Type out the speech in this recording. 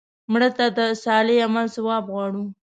مړه ته د صالح عمل ثواب غواړو